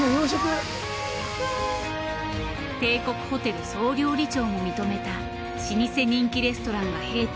帝国ホテル総料理長も認めた老舗人気レストランが閉店。